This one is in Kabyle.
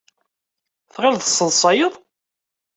Tɣileḍ tesseḍsayeḍ?